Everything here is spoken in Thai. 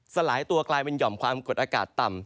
สลายตัวกลายเป็นหย่อมความกดอากาศต่ำ